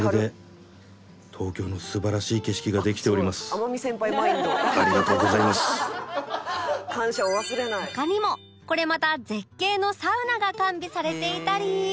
「天海先輩マインド」他にもこれまた絶景のサウナが完備されていたり